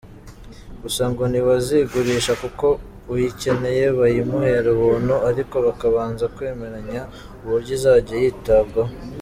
Gusa ngo ntibazigurisha kuko uyikeneye bayimuhera ubuntu ariko bakabanza kwemeranya uburyo izajya yitabwaho.